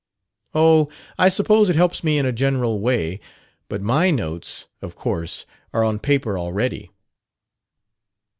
"Oh, I suppose it helps me in a general way. But my notes, of course, are on paper already."